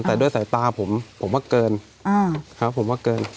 แต่ด้วยสายตาผมว่าเกิน